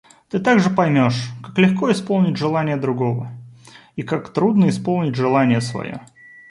Ты также поймешь, как легко исполнить желание другого и как трудно исполнить желание свое.